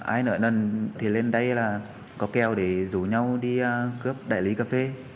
ai nở nần thì lên đây là có kèo để rủ nhau đi cướp đại lý cà phê